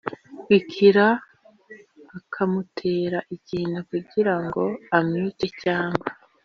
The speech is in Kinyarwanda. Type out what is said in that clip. bikira a akamutera ikintu kugira ngo amwice cyangwa